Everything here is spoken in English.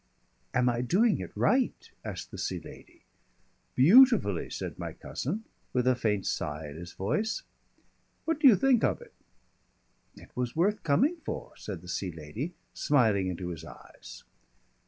"Am I doing it right?" asked the Sea Lady. "Beautifully," said my cousin with a faint sigh in his voice. "What do you think of it?" "It was worth coming for," said the Sea Lady, smiling into his eyes.